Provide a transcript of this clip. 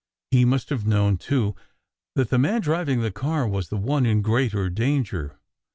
He must have known, too, that the man driving the car was the one in greater danger.